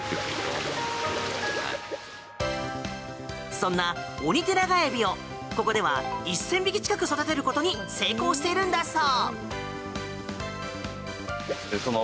そんなオニテナガエビをここでは１０００匹近く育てることに成功しているんだそう。